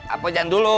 apa jangan dulu